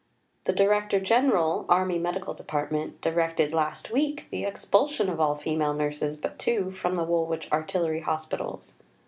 The Director General, Army Medical Department, directed, last week, the expulsion of all female nurses but two from the Woolwich Artillery Hospitals....